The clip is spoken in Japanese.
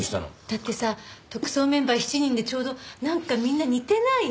だってさ特捜メンバー７人でちょうどなんかみんな似てない？